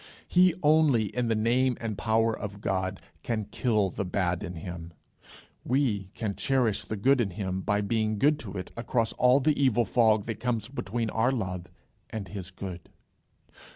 He only, in the name and power of God, can kill the bad in him; we can cherish the good in him by being good to it across all the evil fog that comes between our love and his good.